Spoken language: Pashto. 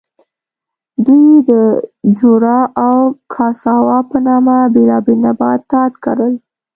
دوی د جورا او کاساوا په نامه بېلابېل نباتات کرل.